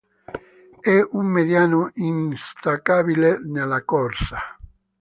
È un mediano instancabile nella corsa.